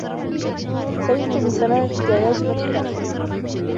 سئمت من سماع حكايات مدح نفسك.